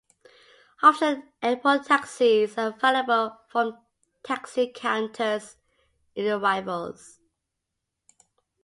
Official airport taxis are available from taxi counters in arrivals.